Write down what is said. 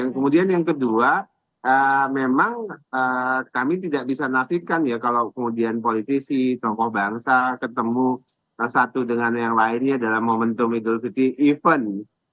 kemudian yang kedua memang kami tidak bisa natibkan ya kalau kemudian politisi tokoh bangsa ketemu satu dengan yang lainnya dalam momentum idul fitri event